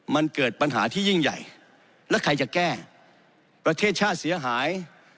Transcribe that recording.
มันเกิดปัญหาที่ยิ่งใหญ่และใครจะแก้ประเทศชาติเสียหาย